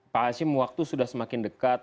pak hashim waktu sudah semakin dekat